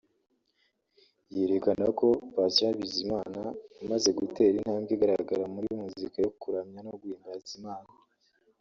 yerekana ko Patient Bizimana umaze gutera intambwe igaragara muri muzika yo kuramya no guhimbaza Imana